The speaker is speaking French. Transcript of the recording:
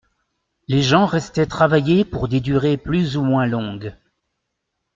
Les gens restaient travailler pour des durées plus ou moins longues.